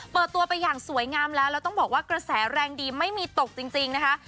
เปิดตัวไปอย่างสวยงามแล้วแล้วต้องบอกว่ากระแสแรงดีไม่มีตกจริงนะคะ